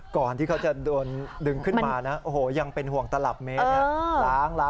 ก่อนที่เขาจะโดนดึงขึ้นมานะโอ้โหยังเป็นห่วงตลับเมตร